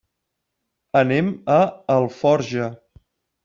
Anem a Alforja.